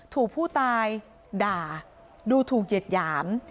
ถูกผู้ตายด่าดูถูกเหยียดหยาม